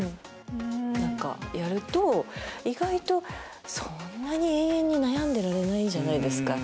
何かやると意外とそんなに永遠に悩んでられないじゃないですか。